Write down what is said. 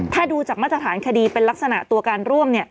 ถ้าดูจากมาตรฐานคดีเป็นลักษณะตัวการร่วม